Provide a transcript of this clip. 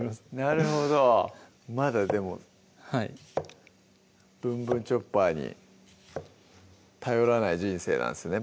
なるほどまだでも「ぶんぶんチョッパー」に頼らない人生なんですね